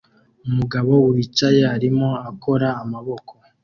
Umugabo wicaye arimo akora amaboko